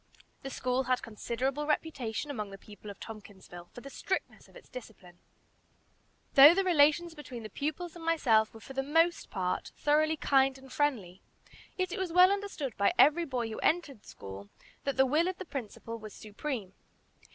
The school had considerable reputation among the people of Tompkinsville for the strictness of its discipline. Though the relations between the pupils and myself were for the most part thoroughly kind and friendly, yet it was well understood by every boy who entered school that the will of the Principal was supreme.